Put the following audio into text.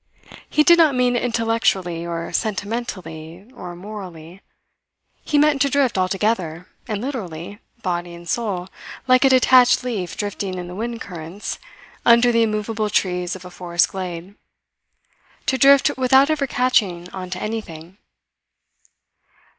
He did not mean intellectually or sentimentally or morally. He meant to drift altogether and literally, body and soul, like a detached leaf drifting in the wind currents under the immovable trees of a forest glade; to drift without ever catching on to anything.